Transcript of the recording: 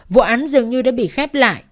vụ án dường như đã bị khép lại